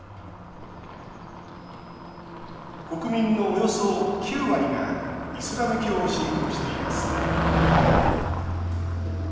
国民のおよそ９割がイスラム教を信仰しています。